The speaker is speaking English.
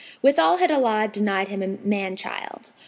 Withal had Allah denied him a man child.